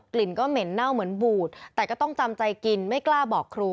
ลิ่นก็เหม็นเน่าเหมือนบูดแต่ก็ต้องจำใจกินไม่กล้าบอกครู